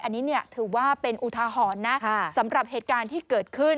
อันนี้ถือว่าเป็นอุทาหรณ์นะสำหรับเหตุการณ์ที่เกิดขึ้น